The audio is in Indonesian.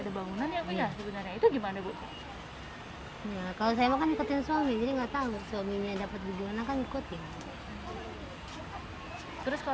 kalau ini udah buka buka kita ini nggak apa apa